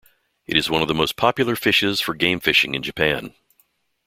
It is one of the most popular fishes for game fishing in Japan.